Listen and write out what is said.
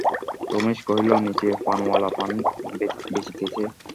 রমেশ কহিল, নীচে পানওয়ালা পান বেচিতেছে।